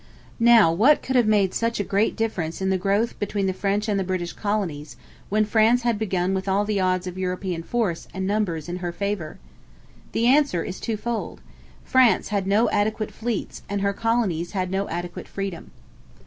Now, what could have made such a great difference in growth between the French and the British colonies, when France had begun with all the odds of European force and numbers in her favour? The answer is two fold: France had no adequate fleets and her colonies had no adequate freedom.